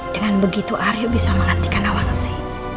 dengan begitu aryo bisa menghentikan nawangsi